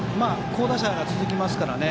好打者が続きますからね。